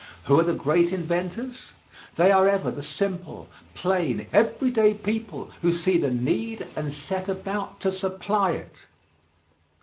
Who are the great inventors? They are ever the simple, plain, everyday people who see the need and set about to supply it.